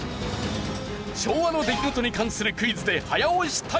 昭和の出来事に関するクイズで早押し対決